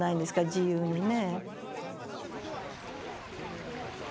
自由にね。